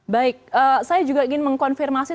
baik saya juga ingin mengkonfirmasi